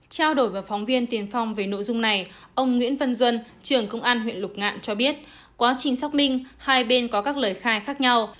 trao đổi với phóng viên tiền phong về nội dung này ông nguyễn văn duân trưởng công an huyện lục ngạn cho biết quá trình xác minh hai bên có các lời khai khác nhau